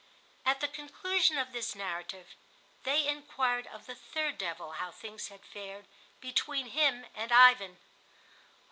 At the conclusion of this narrative they inquired of the third devil how things had fared between him and Ivan.